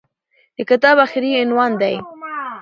د کتاب اخري عنوان دى.